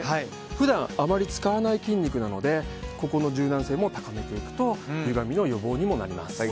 普段、あまり使わない筋肉なのでここの柔軟性も高めていくとゆがみの予防にもなります。